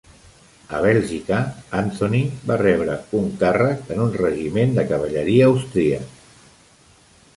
A Bèlgica, Anthony va rebre un càrrec en un regiment de cavalleria austríac.